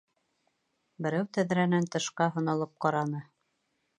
Берәү тәҙрәнән тышҡа һонолоп ҡараны.